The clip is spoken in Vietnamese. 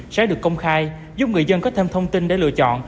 sẽ được công khai giúp người dân có thêm thông tin để lựa chọn